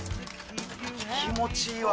気持ちいいわ。